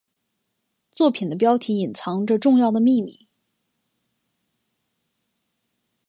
作品的标题隐藏着重要的秘密。